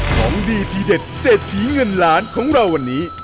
ของดีทีเด็ดเศรษฐีเงินล้านของเราวันนี้